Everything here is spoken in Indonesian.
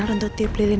aku mau sesuai karun